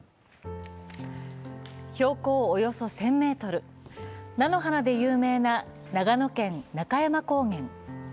標高およそ１０００ｍ、菜の花で有名な長野県中山高原。